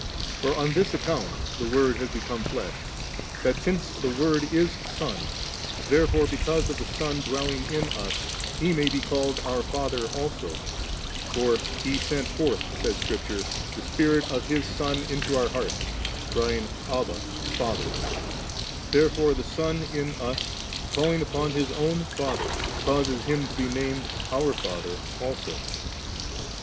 For on this account the Word has become flesh, that, since the Word b Son, therefore, because of the Son dwelling in us*, He may be called our Father also; for 'He sent forth,' says Scripture, 'the Spirit of His Son into our hearts, crying, Abba, Fathers.' Therefore the Son in us, calling upon His own Father, causes Him to be named our Father also.